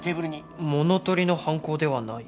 物取りの犯行ではない。